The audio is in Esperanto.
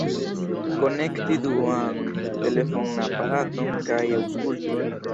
Konekti duan telefonaparaton kaj aŭskulti.